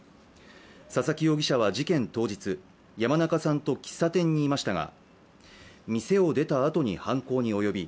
佐々木容疑者は事件当日、山中さんと喫茶店にいましたが店を出たあとに犯行に及び、